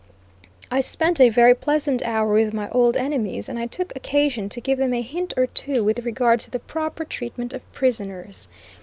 I spent a very pleasant hour with my old enemies, and I took occasion to give them a hint or two with regard to the proper treatment of prisoners.